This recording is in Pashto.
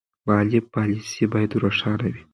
مالي پالیسي باید روښانه وي.